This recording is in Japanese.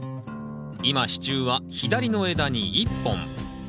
今支柱は左の枝に１本。